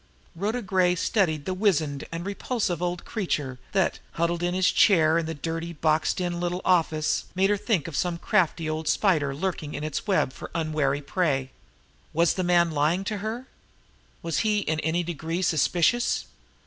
Rhoda Gray studied the wizened and repulsive old creature, that, huddled in his chair in the dirty, boxed in little office, made her think of some crafty old spider lurking in its web for unwary prey. Was the man lying to her? Was he in any degree suspicious?